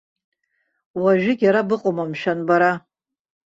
Уажәыгь ара быҟоума, мшәан, бара?